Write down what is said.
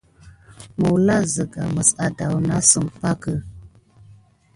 Mulak zǝga mǝs ahdahnasǝm ǝn pakǝ.